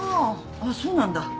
あっそうなんだ。